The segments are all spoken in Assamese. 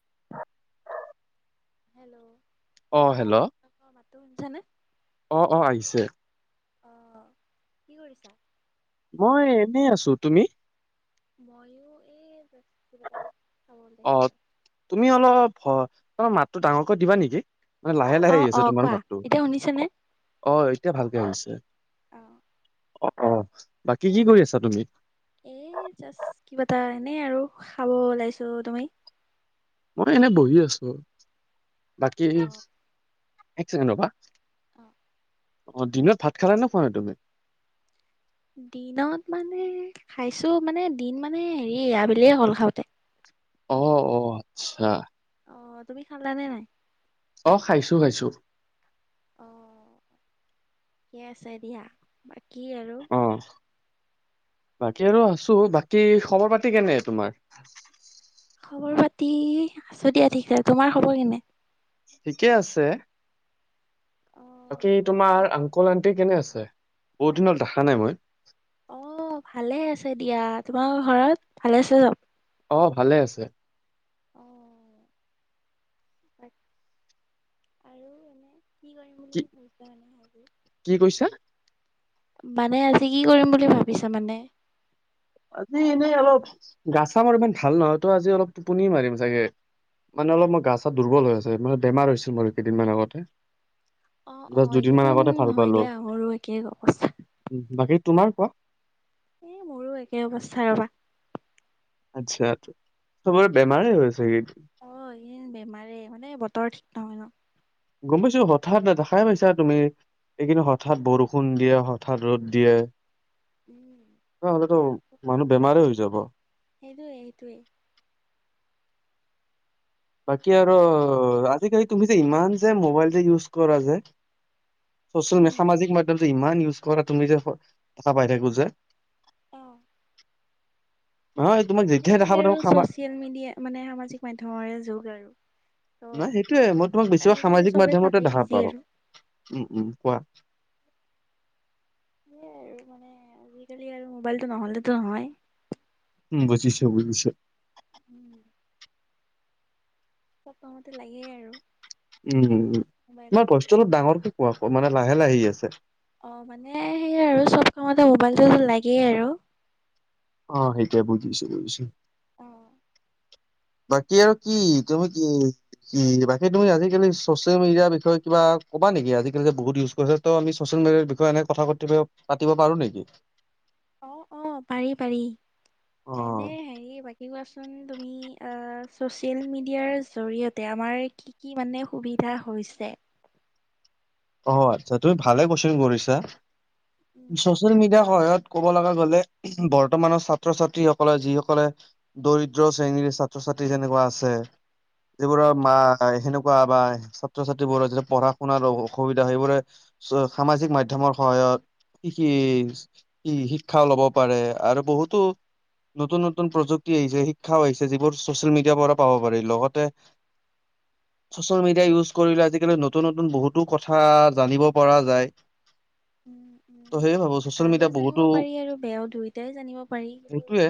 [unintelligible] হেল্ল'। অহ হেল্ল' মাতটো শুনিছানে? অহ আহিছে। অহ কি কৰিছা? মই এনেই আছো, তুমি? ময়ো এই- কিবা এটা খাব অ ওলাইছো আৰু। তুমি অলপ ত মাতটো ডাঙৰকৈ দিবা নেকি। মানে লাহে লাহে অ আহি অ আছে তোমাৰ কোৱা মাতটো এতিয়া শুনিছানে? অঁহ এতিয়া ভালকৈ হৈছে। অঁ অঁ অঁ বাকী কি কৰি আছা তুমি? এ' জাষ্ট কিবা এটা এনেই আৰু খাব ওলাইছো। তুমি? মই এনেই বহি আছো। বাকী অ এক চেকেণ্ড ৰবা। অঁ অঁ দিনত ভাত খালা নে নাইখোৱা তুমি? দিনত মানে খাইছো মানে দিন মানে হেৰি আবেলিয়ে হ'ল খাওঁতে। অ অ আচ্ছা। অঁ তুমি খালা নে নাই? অঁ খাইছো, খাইছো। অঁ ঠিকে আছে দিয়া। বাকী আৰু? অ বাকী আৰু আছো। বাকী খবৰ পাতি কেনে তোমাৰ? খবৰ পাতি আছো দিয়া ঠিক আছে তোমাৰ খবৰ কেনে ঠিকে আছে। অ বাকী তোমাৰ আংকুল- আন্টি কেনে আছে? বহুত দিনত দেখা নাই মই অঁ ভালেই আছে দিয়া। তোমাৰ ঘৰত ভালে আছে চব? অঁ ভালে আছে। অঁ আৰু এনেই কি কৰি কি' কি কৈছা? মানে আজি কি কৰিম বুলি ভাবিছা মানে? আজি এনেই অলপ গা ছাহ ইমান ভাল নহয় তো আজি অলপ টোপনি মাৰিম চাগে। মানে অলপ মই গা চা দুৰ্বল হৈ আছো। মানে বেমাৰ হৈছিল মোৰ কেইদিনমান আগতে। অ অ জাষ্ট দুদিন মান এইকেইদিন আগতে ভাল নহয় পালো। দিয়া মোৰো একেই অৱস্থা বাকী- তোমাৰ কোৱা? এ' মোৰো একেই অৱস্থা ৰবা। আচ্ছা আচ্ছা চবৰে বেমাৰেই হৈছে ছাগে। অঁ এইকেইদিন বেমাৰে মানে বতৰ ঠিক নহয় ন। গম পাইছো হঠাৎ দেখাই পাইছা তুমি। এইকেইদিন হঠাৎ বৰষুণ দিয়ে হঠাৎ ৰ'দ দিয়ে। উম এনেকোৱা হলেটো মানুহ বেমাৰে হৈ যাব। সেইটোৱেই সেইটোৱে। বাকী আৰু আজিকালি তুমি যে ইমান যে মোবাইল যে ইউজ কৰা যে? চচিয়েল উম সামাজিক মাধ্যমটো ইমান ইউজ কৰা তুমি যে দেখা পাই থাকো যে? অ নহয় তোমাক যেতিয়াই দেখা আজিকালি পাই আৰু থাকো সামাজিক চচিয়েল মিডিয়া মানে সামাজিক মাধ্যমৰে যুগ আৰু। নাই ত' সেইটোয়ে। মই তোমাক বেছিভাগ আজিকালিতো সামাজিক চবে মাধ্যমতে তাতেই দেখা বিজি পাওঁ। আৰু উম উম কোৱা? হম আৰু মানে আজিকালি আৰু মোবাইলটো নহলেতো নহয়। উম বুজিছো বুজিছো। উম' চবতে লাগেই আৰু। উম উম উম। মোবাইলটো। তোমাৰ ভয়েচটো অলপ ডাঙৰকে কোৱা মানে লাহে লাহে আহি আছে। অঁ মানে সেইয়াই আৰু চব কামতে মোবাইলটো লাগেই আৰু। অ সেইটোয়ে বুজিছো বুজিছো। অ', বাকী আৰু কি তুমি কি কি বাকী তুমি আজিকালি চচিয়েল মিডিয়াৰ বিষয়ে কিবা- ক'বা নেকি। আজিকালি যে বহুত ইউজ কৰে ত' আমি ছচিয়েল মিডিয়াৰ বিষয়ে এনেকে কথা পাতিব পাৰো নেকি? অঁ অঁ পাৰি পাৰি। অ। এনেই হেৰি বাকী কোৱা চোন? তুমি চচিয়েল মিডিয়াৰ জৰিয়তে আমাৰ কি কি মানে সুবিধা হয়। হৈছে অ আচ্ছা তুমি ভালে কোৱেশ্যন কৰিছা উম, চচিয়েল মিডিয়াৰ সহায়ত ক'ব লগা গ'লে বৰ্তমানৰ ছাত্ৰ ছাত্ৰীসকলে যিসকলে দৰিদ্ৰ শ্ৰেণীৰে ছাত্ৰ ছাত্ৰী যেনেকুৱা আছে যিবোৰৰ উম, মা নাই সেনেকুৱা বা ছাত্ৰ ছাত্ৰীবোৰ যেতিয়া পঢ়া শুনা ৰব অসুবিধা সেইবোৰে সামাজিক মাধ্যমৰ সহায়ত কি কি কি শিক্ষাও লব পাৰে আৰু বহুতো নতুন নতুন প্ৰযুক্তি আহিছে শিক্ষাও আহিছে যিবোৰ ছচিয়েল মিডিয়াৰ পৰা পাব পাৰি লগতে [inaudible] ছ'চিয়েল মিডিয়া ইউজ কৰিলে আজিকালি নতুন নতুন বহুত কথা জানিব পৰা যায় উম উ ত' সেয়ে ভাবো ছচিয়েল ভালো মিডিয়া বহুতো জানিব পাৰি আৰু বেয়াও দুয়োটাই জানিব পাৰি সেইটোয়ে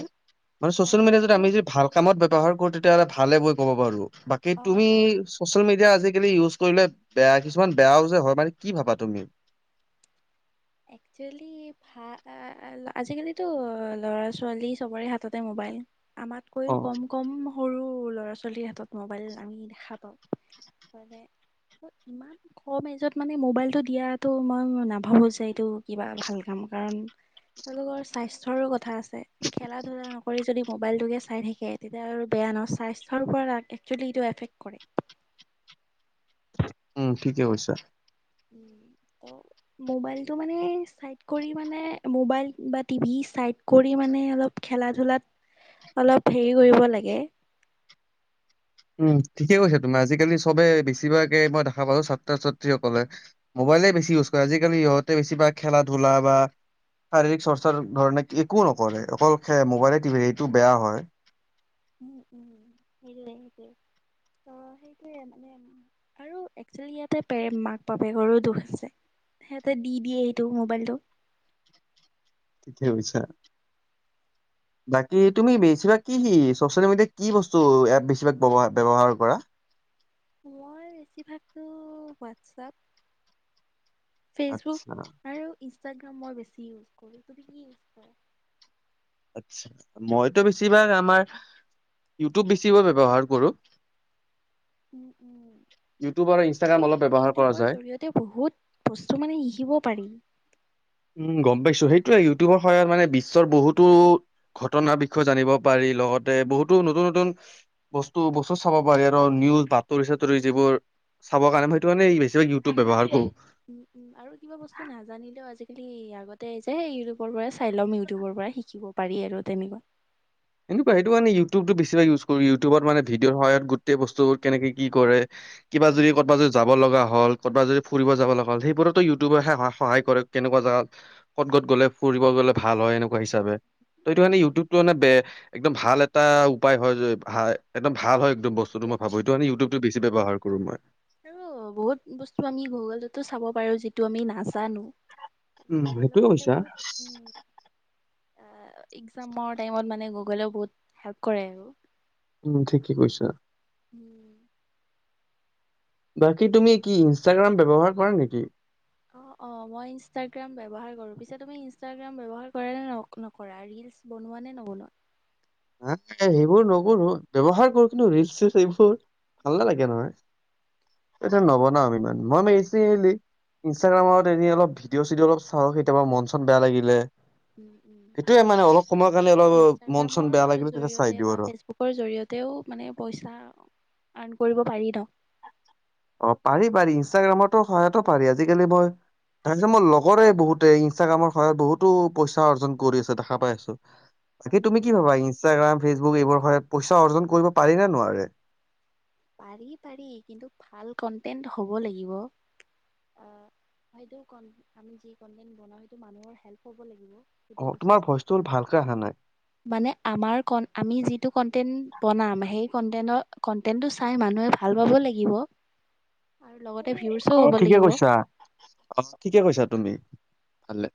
মানে ছ'চিয়েল অ', মিডিয়া যদি মানে আমি যি ভাল কামত ব্যৱহাৰ কৰো তেতিয়া হলে ভালেকৈ ক'ব পাৰো বাকি অ', তুমি অ'। ছ'চিয়েল মিডিয়া আজিকালি ইউজ কৰিলে বেয়াক কিছুমান বেয়াও যে হয় মানে কি ভাবা তুমি এক আজিকালিতো ল'ৰা ছোৱালী চবৰে হাততে মোবাইল আমাতকৈও অ', কম কম সৰু ল'ৰা ছোৱালীৰ হাতত মোবাইল আমি দেখা পাওঁ মানে ইমান কম এজত মানে মোবাইলটো দিয়াটো মই নাভাবো যে টো কিবা ভাল কাম কাৰণ তেওঁলোকৰ স্বাস্থ্যৰো কথা আছে খেলা ধূলা নকৰি যদি মোবাইল টোকে চাই থাকে তেতিয়া আৰু বেয়া নহ স্বাস্থ্যৰপৰা ৰা একশ্যালি এফেক্ট কৰে উম ঠিকেই কৈছা উম মবাইলটো মানে চাইট কৰি মানে মবাইল বা টিভি চাইট কৰি মানে মানে অলপ খেলা ধূলাত অলপ হেৰি কৰিব লাগে উম ঠিকে কৈছা তুমি আজিকালি চবে বেছিভাকে মই দেখা পালো ছাত্ৰ ছাত্ৰীসকলে মোবাইলে বেছি ইউজ কৰে আজিকি ইহতে বেছিভাগ খেলা ধূলা বা শাৰীৰিক চৰ্চাৰ ধৰণে একো নকৰে অকল সে মোবাইলে সেইটো বেয়া হয় উম উম ইল [unintelligible] ত সেইটোৱে মানে আৰু একশ্যেলি ইয়াতে পেৰে মাক বাপেকৰো দুখ আছে সিহঁতে দি দিয়ে এইটো মোবাইলটো ঠিকে কৈছা [inaudible] বাকী তুমি বেছিভাগ কি সি ছ'চিয়েল মিডিয়াত কি বস্তু এপ বেছিভাগ ব্যৱহাৰ কৰা মই বেছিভাগতো হোৱাটছআপ আচ্ছা। ফেচবুক আৰু ইনষ্টাগ্ৰাম মই বেছি ইউজ কৰো তুমি কি ইউজ কৰা? মইতো বেছিভাগ আমাৰ ইউটিউব বেছিকে ব্যৱহাৰ কৰো। উম ইউটিউব আৰু উম আজা ইনষ্টাগ্ৰাম কালি অলপ ব্যৱহাৰ কৰা ইউটিউবৰ যায়। জৰিয়তে বহুত বস্তু মানে শিকিব পাৰি উম গম পাইছো সেইটোয়ে ইউটিউবৰ সহায়ত মানে বিশ্বৰ বহুতো ঘটনাৰ বিষয়ে জানিব পাৰি লগতে বহুতো নতুন নতুন বস্তু বস্তু চাব পাৰি আৰু নিউজ বাতৰি চাতৰি যিবোৰ চাব কাৰণে হয়টো মে বেছভাগ ইউটিউব ব্যৱহাৰ কৰো উম উম আৰু কিবা বস্তু নাজানিলেও আজিকালি আগতে যে ইউটিউবৰ পৰাই চাই ল'ম ইউটিউবৰ পৰা শিকিব পাৰি আৰু তেনেকুৱা কিন্তু সেইটো মানে ইউটিউবটো বেছিভাগ ইউজ কৰো ইউটিউব অ মানে ভিডিঅৰ সহায় গোটেই বস্তুৰ কেনেকে কি কৰে কিবা উম, যদি ক'বাত যদি যাব লগা হয় হ'ল কত‌‌বা যদি ফুৰিব যাব লগ হল সেইবোৰোতো ইউটিউবে হে সহায় কৰে কেনেকুৱা জাগাত কত কত গ'লে ফুৰিব গ'লে ভাল হয় এনেকুৱা হিচাপে। এইটো মানে উম, ইউটিউবটো মানে বে একদম ভাল এটা উপায় হয় য ভা একদম ভাল হয়। বস্তুটো মই ভাবো এইটো প্লেটফৰ্ম মানে ইউটউবটো বেছি ব্যৱহাৰ কৰো মই। আৰু বহুত বস্তু আমি গুগলটো চাব পাৰো। পাৰো যিটো আমি নাজানো উম, গুগলেও সেইটোয়ে মানে কৈছা। বহুত। এক্সামৰ টাইমত মানে গুগলেও বহুত হেল্প কৰে আৰু। উম্ ঠিকেই কৈছা। উম্। বাকী তুমি কি ইনষ্টাগ্ৰাম ব্যৱহাৰ কৰা নেকি? অঁ অ মই ইনষ্ট্ৰাগ্ৰাম ব্যৱহাৰ কৰোঁ পিছে তুমি ইনষ্ট্ৰাগ্ৰাম ব্যৱহাৰ কৰে নে নকৰা ৰীল। বনোৱা নে নবনোৱা? হা সেইবোৰ নকৰো ব্যৱহাৰ কৰো কিন্তু ৰিলচ চিলছ এইবোৰ। ভাল নালাগে নহয় আছা অ নবনাও ইমান মই মানে ইচ। ইনষ্টাগ্ৰামত এনে অলপ ভিডিঅ' চিডিঅ অলপ চাওঁ কেতিয়াবা মন চন বেয়া লাগিলে। উম উম সেইটোয়ে মানে অলপ সময়ৰ কাৰণে অলপ মন। চন মৰ বেয়া লাগিলে তেতিয়া চাই জৰিয়তে দিওঁ বা আৰু ফেচবুকৰ জৰিয়তেও মানে পইছা আৰ্ন। কৰিব পাৰি ন। অ পাৰি পাৰি ইনষ্টাগ্ৰামতো সহায়তো পাৰি আজিকালি মই। তেহেতে মোৰ লগৰে বহুতে ইনষ্টাগ্ৰামৰ পৰা বহুতো পইচা অৰ্জন কৰি আছে দেখা পাই আছো। বাকি উম তুমি কি উম ভাবা ইনষ্টাগ্ৰাম, ফেচবুক এইবোৰৰ সহায়ত পইচা অৰ্জন কৰিব পাৰি নে নোৱাৰে? পাৰি পাৰি কিন্তু ভাল কন্টেন্ট হ'ব লাগিব। অ হয়টো কন আমি যি কনটেনট বনাও সেইটো মানুহৰ হেল্প হ'ব লাগিব। সেইটো অ বস্তু তোমাৰ চাই। ভইচটো ভালকে অহা নাই। মানে আমাৰ আমি যিটো কনটেন্ বনাম সেই। কনটেক্ট কন্টেন্টো চাই মানুহে ভাল পাব লাগিব। আৰু লগতে ভিউচো অ হ'ব ঠিকে লাগিব। কৈছা অ ঠিকে কৈছা তুমি। ভালে।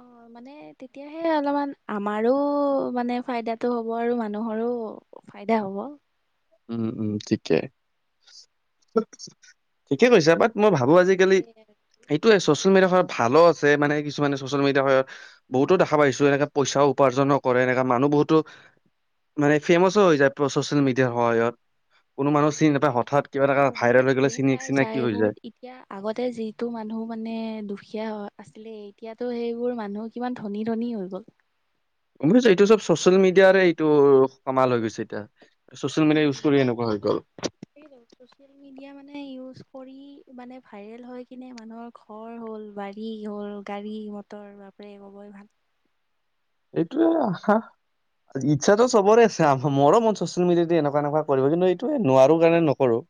অ মানে তেতিয়াহে অলপমান আমাৰো মানে ফাইদাটো হ'ব আৰু মানুহৰো। ফাইদা হ'ব। উম উম ঠিকে ঠিকে কৈছা বাত মই ভাবো। ৱ আজিকালি সেইটোৱেই চচ ছ'চিয়েল মিডিয়া খনত ভালো আছে মানে কিছুমানে ছ'চিয়েল মিডিয়া সহায়ত বহুটো দেখা পাইছো এনেকে পইচা উপাৰ্জন কৰে। তেনেকা মানুহ বহুটো মানে ফেমাচো হৈ যায় পোৰা ছ'চিয়েল মিডি দে সহায়ত কোনো মানুহ চিনি নাপায় হঠাৎ কিবা মানে এটা বহুতে ভাইৰেল হৈ গ'লে ফেম চিনি পাই চিনাকি যায় হৈ বহুত এতিয়া আগতে যিটো মানুহ মানে দুখীয়া অহ, আছিলে এতিয়াতো সেইবোৰ মানুহ কিমান ধনী -ধনী হৈ গ'ল। [unintelligible] এইটো চব ছচিয়েল মিডিয়াৰে এইটো কামাল হৈ গৈছে এতিয়া। ছচিয়েল মিডিয়া ইউজ [unintelligible] কৰি এনেকুৱা হৈ গ'ল ছ'চিয়েল মিডিয়া মানে ইউচ কৰি মানে ভাইৰেল হৈকিনে মানুহৰ ঘৰ হ'ল, বাৰী হ'ল, গাড়ী মটৰ বা ফ্ৰেম হ'বই ভাল। এইটোৱে আশা ইচ্ছাটো চবৰে আছে আহোম মোৰো মন চচিয়েল মিডিয়াত এনকা -এনকা কৰিব কিন্তু এইটোৱে নোৱাৰো কাৰণে নকৰো।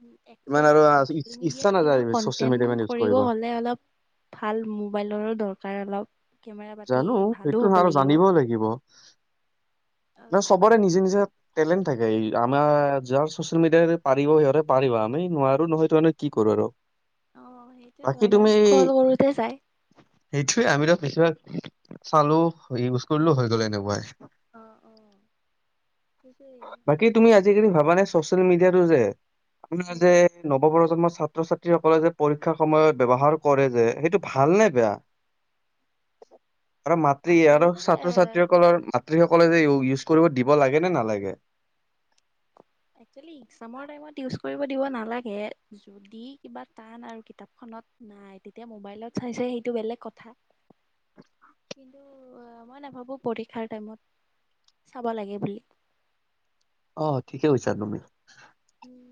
হম, ইমান একচুৱেলি আৰু আ চচিয়েল ইচ্ছা মিডিয়াত নাযায় কিবা ছচিয়েল মিডিয়া কণ্টেণ্ট ইমান ইউজ কৰিব হলে অলপ ভাল মোবাইলৰো দৰকাৰ অলপ। কেমেৰা পাতি জানো ভালো সেইটো হ'ব হয় লাগিব জানিবও লাগিব [inaudible] ন' অলপ চবৰে নিজে- নিজা টেলেণ্ট থাকে আমাৰ যাৰ চচিয়েল মিডিয়াই পাৰিব সিহঁতে পাৰিব আমি নোৱাৰো নহয় এইটো কাৰনে কি কৰো। আৰু অ সেইটোয়েতো বাকী আমাৰ তুমি স্ক্ৰল কৰোতে চাই সেইটোৱে আমিতো বেছিভাগ চালো ইউজ কৰিলো হৈ গ'ল এনেকুৱাই। অ অ সেইটোৱে [inaudible] বাকী তুমি আজিকালি ভাব মানে ছ'চিয়েল মিডিয়াটো যে আপোনাৰ উম যে নৱপ্ৰজন্ম ছাত্ৰ- ছাত্ৰী সকলে যে পৰীক্ষাৰ সময়ত ব্যৱহাৰ কৰে যে, সেইটো ভাল নে বেয়া? [inaudible] আৰু মাতৃ ইয়াৰো আচলতে ছাত্ৰ এ ছাত্ৰীসকলৰ মা- মাতৃ সকলে যে ইউজ কৰিব দিব লাগে নে নালাগে? এক্সুৱেলী ইগজামৰ টাইমত ইউজ কৰিব দিব নালাগে। যদি কিবা টান আৰু কিতাপখন লত নাই, তেতিয়া মোবাইলত চাইছে সেইটো বেলেগ কথা। কিন্তু, মই নাভাবো পৰীক্ষাৰ টাইমত চাব লাগে বুলি। অহ, ঠিকে কৈছা তুমি। উম,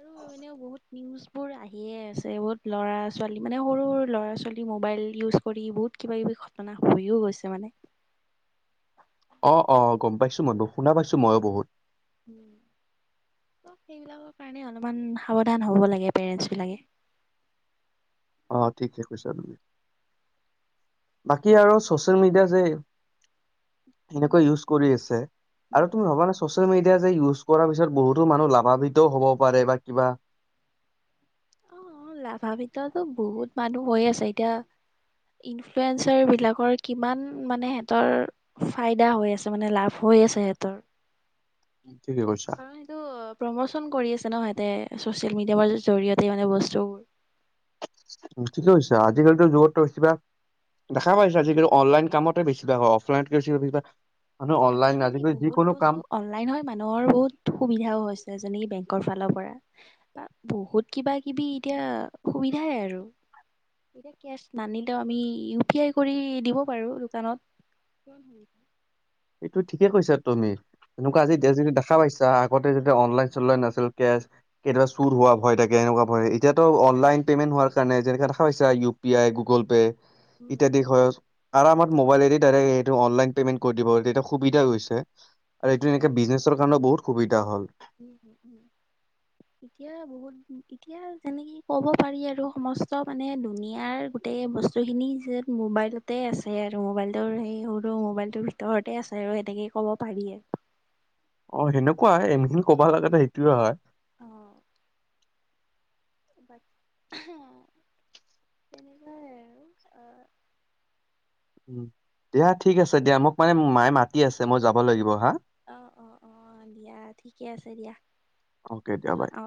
আৰু এনেও বহুত নিউজ বোৰ আহিয়ে আছে, বহুত লৰা -ছোৱালী মানে সৰু বোৰ ল'ৰা -ছোৱালী মোবাইল ইউজ কৰি বহুত কিবা- কিবি ঘটনা হৈও গৈছে মানে [inaudible] অ', - অ', গম পাইছো মই বহু শুনা পাইছো মইও বহুত। উম ত 'সেইবিলাকৰ কাৰণে অলপমান সাৱধান হ'ব লাগে পেৰেন্টচ বিলাকে। [inaudible] অহ, ঠিকে কৈছা তুমি। বাকী আৰু ছ'চিয়েল মিডিয়া যে এনেকা উম, কৈ ইউজ কৰি আছে উম, আৰু তুমি ভাবা নে চছিয়েল এতিয়া যে ইউজ কৰা পিছত বহুতো মানুহ লাভাম্বিত হ'ব পাৰে বা কিবা অহ, লাভাবিতটো বহুত মানুহ হৈ আছে, এতিয়া ইনফ্লুৱেঞ্জাৰ বিলাকৰ কিমান মানে হেহতৰ ফাইদা হৈ আছে মানে লাভ হৈ আছে হেহতৰ। ঠিকে কৈছা কাৰন সেইটো প্ৰমোচন কৰি আছে ন' তে চচিয়েল মিডিয়ামৰ জৰিয়তে মানে বস্তুবোৰ উম, [unintelligible] আজিকালিৰ যুগত টো কিবা দেখা পাইছা আজিকালি অনলাইন কামতে বেছিভাগ হয় অফলাইন বেছিভাগ মানুহ অনলাইন আজিকলি আজিকালি বহুত যিকোনো কাম বস্তু অনলাইন হৈ মানুহৰ বহুত সুবিধাও হৈছে। যেনেকি বেংকৰ ফালৰ পৰা তাত বহুত কিবা -কিবি এতিয়া সুবিধাই আৰু। এতিয়া, কেচ নানিলেও আমি ইউ পি আই কৰি দিব পাৰো দোকানত। কোন হি সেইটো ঠিকে কৈছা তুমি, তেনেকুৱা আজি যদি আজিকালি দেখা পাইছা আগতে যদি অনলাইন চনলাইন নাছিল। তেতিয়া চুৰ হোৱা ভয় থাকে এনেকুৱা ভয়, এতিয়াতো অনলাইন পেমেন্ট হোৱাৰ কাৰণে যেনে হৈ ছা U P I, Google Pay. উম ইত্যাদি হয়। আৰু মোবাইল এদি সটো অনলাইন পেমেণ্ট কৰি দিব। এটা সুবিধা হৈছে আৰু এইটো এতিয়া এনেকে বিজনেছৰ কাৰণে বহুত সুবিধা হ'ল। উম হম উম। এতিয়া বহুত এতিয়া যেনেকি ক'ব পাৰি আৰু সমস্ত মানে দুুনিয়াৰ, গোটেই বস্তু খিনি যত মোবাইলতে আছে আৰু মোবাইলতটো সেই সৰু মোবাইলটোৰ ভিতৰতে আছে। আৰু এনেকেই ক'ব পাৰি। অ সেনেকুৱাই, এখিনি কবা লগাতে সেইটোয়ে হয়। অ। বাট তেনেকুৱাই আৰু অ। উম দিয়া ঠিক আছে দিয়া, মোক মানে মায়ে মাতি আছে মই যাব লাগিব। হা অ অ অ। অ দিয়া ঠিকে আছে দিয়া অকে দিয়া বাই। যোৱা অ।